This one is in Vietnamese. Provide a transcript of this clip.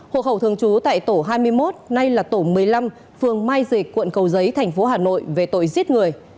hộ khẩu thường trú tại tổ hai mươi một nay là tổ một mươi năm phường mai dịch quận cầu giấy thành phố hà nội về tội giết người